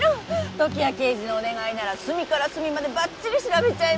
時矢刑事のお願いなら隅から隅までばっちり調べちゃいます。